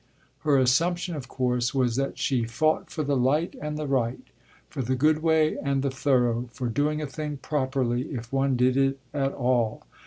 Her assumption of course was that she fought for the light and the right, for the good way and the thorough, for doing a thing properly if one did it at all.